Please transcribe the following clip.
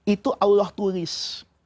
itu allah tulis